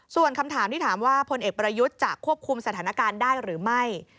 ส่วนคำถามที่ถามว่าพลเอกประยุทธ์จะควบคุมสถานการณ์ได้หรือไม่